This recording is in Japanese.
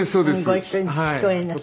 ご一緒に共演なすって。